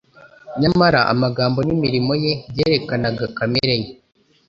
Nyamara amagambo n'imirimo ye byerekanaga kamere ye,